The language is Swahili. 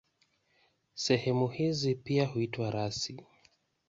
Sehemu hizi pia huitwa rasi.